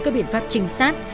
các biện pháp trinh sát